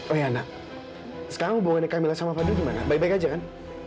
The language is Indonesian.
oh iya anak sekarang hubungannya kamila sama fadel gimana baik baik aja kan